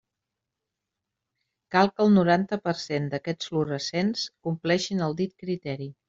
Cal que el noranta per cent d'aquests fluorescents compleixin el dit criteri.